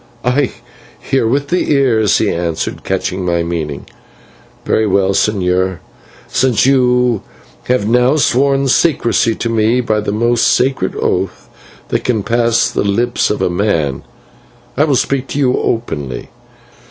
"I hear with the Ears," he answered, catching my meaning. "Very well, señor, since you have now sworn secrecy to me by the most solemn oath that can pass the lips of man, I will speak to you openly.